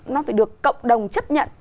nó phải được cộng đồng chấp nhận